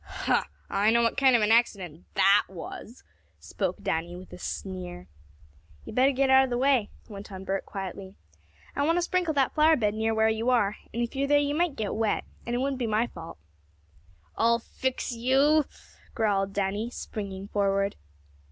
"Huh! I know what kind of an accident that was!" spoke Danny, with a sneer. "You'd better get out of the way," went on Bert quietly. "I want to sprinkle that flower bed near where you are, and if you're there you might get wet, and it wouldn't my fault." "I'll fix you!" growled Danny, springing forward.